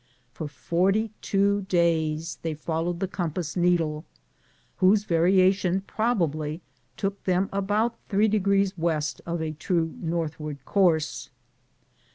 For forty two days they followed the compass needle, whose variation probably took them about three degrees west of a true northward course.